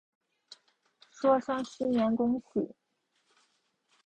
说声新年恭喜